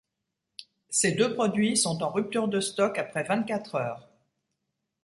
Ces deux produits sont en rupture de stock après vingt-quatre heures.